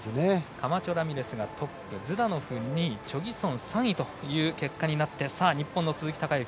カマチョラミレスがトップズダノフ、２位チョ・ギソン、３位という結果になってさあ、日本の鈴木孝幸。